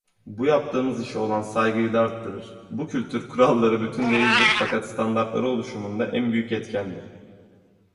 Moreover, the erosion of these differences over time has been very slow and uneven.